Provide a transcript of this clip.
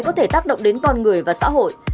có thể tác động đến con người và xã hội